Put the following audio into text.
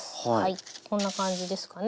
こんな感じですかね。